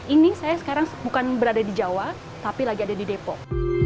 ini saya sekarang bukan berada di jawa tapi lagi ada di depok